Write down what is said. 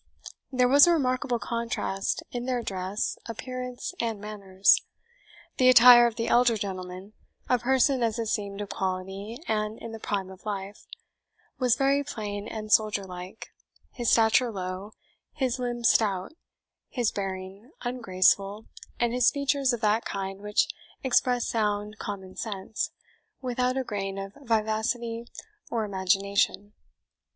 There was a remarkable contrast in their dress, appearance, and manners. The attire of the elder gentleman, a person as it seemed of quality and in the prime of life, was very plain and soldierlike, his stature low, his limbs stout, his bearing ungraceful, and his features of that kind which express sound common sense, without a grain of vivacity or imagination.